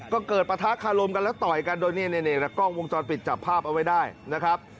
ก็เกิดปะทะคารมกันแล้วต่อยกันโดยกล้องวงจรปิดจับภาพเอาไว้ได้นะครับ